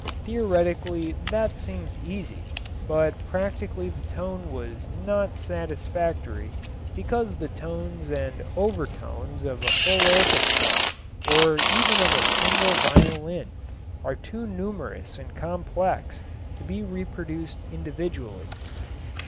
Theoretically that seems easy, but practically the tone was not satisfactory because the tones and overtones of a full orchestra or even of a single violin are too numerous and complex to be reproduced individually.